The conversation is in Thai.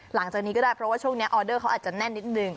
หลังจากนี้ก็ได้เพราะว่าช่วงนี้ออเดอร์เขาอาจจะแน่นนิดนึง